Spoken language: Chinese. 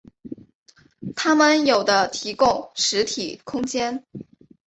它们有的提供实体空间。